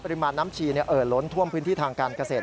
ริมาณน้ำชีเอ่อล้นท่วมพื้นที่ทางการเกษตร